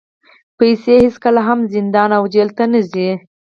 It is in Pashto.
پیسې هېڅکله هم زندان او جېل ته نه ځي.